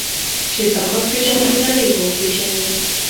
چې ځان وپېژنې، نړۍ به وپېژنې.